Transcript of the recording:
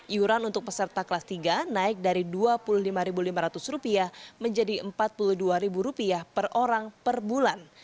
iuran untuk peserta kelas tiga naik dari rp dua puluh lima lima ratus menjadi rp empat puluh dua per orang per bulan